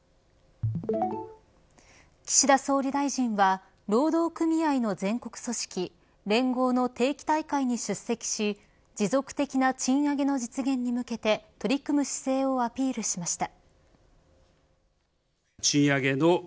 岸田総理大臣は労働組合の全国組織連合の定期大会に出席し持続的な賃上げの実現に向けて取り組む姿勢をアピールしました。